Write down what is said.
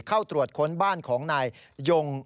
เข้าตรวจค้นบ้านของนายยง